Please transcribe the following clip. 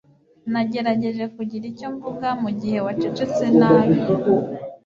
Nagerageje kugira icyo mvuga mugihe wacecetse nabi